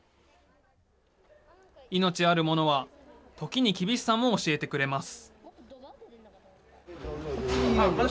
命あるものは、ときに厳しさも教えてくれます。